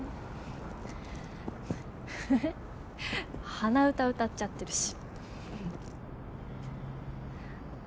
鼻歌歌っちゃってるし。